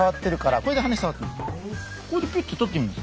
これでピッと取ってみなさい。